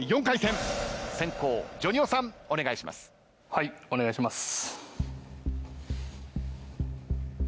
はいお願いします。